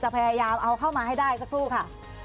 เราจะพยายามเอาเข้ามาให้ได้อีกสักครู่ค่ะ